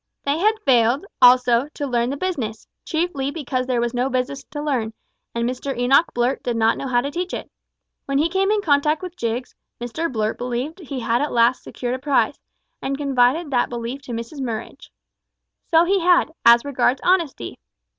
They had failed, also, to learn the business; chiefly because there was no business to learn, and Mr Enoch Blurt did not know how to teach it. When he came in contact with Jiggs, Mr Blurt believed he had at last secured a prize, and confided that belief to Mrs Murridge. So he had, as regards honesty.